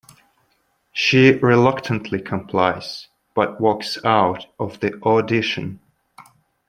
She reluctantly complies, but walks out of the audition.